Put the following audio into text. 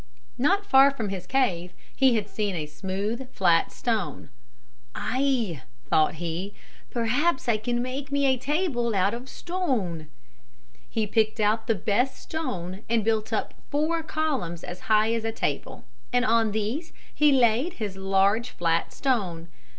Not far from his cave he had seen a smooth, flat stone. "Ay," thought he, "perhaps I can make me a table out of stone." He picked out the best stone and built up four columns as high as a table and on these he laid his large, flat stone.